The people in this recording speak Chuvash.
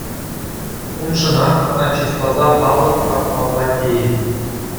Уншӑнах ӑна чысласа палӑк лартмалла тейӗн.